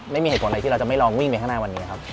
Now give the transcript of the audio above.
ไม่มีเหตุผลอะไรที่เราจะไม่ลองวิ่งไปข้างหน้าวันนี้ครับ